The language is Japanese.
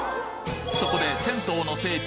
そこで銭湯の聖地